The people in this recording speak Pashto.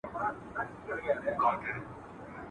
چي خمار ومه راغلی میخانه هغسي نه ده !.